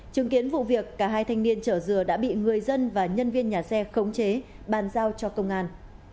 chứng kiến vụ việc cả hai thanh niên chở dừa đã bị người dân và nhân viên nhà xe khống chế bàn giao cho công an